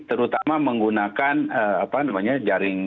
terutama menggunakan jaring